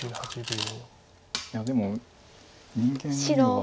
いやでも人間には。